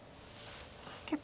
結構。